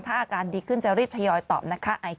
ถ้าอาการดีขึ้นจะรีบทยอยตอบนะคะ